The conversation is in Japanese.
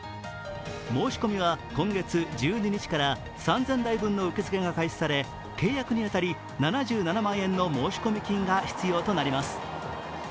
申し込みは今月１２日から３０００台分の受け付けが開始され契約に当たり７７万円の申込金が必要となります。